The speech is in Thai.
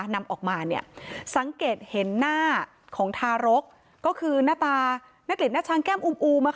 นำออกมาสังเกตเห็นหน้าของทารกก็คือหน้าตานักเรียนหน้าช้างแก้มอูมอูม